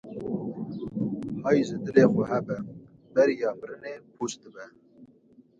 Hay ji dilê xwe hebe, beriya mirinê pûç dibe.